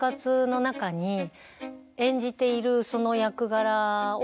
演じているその。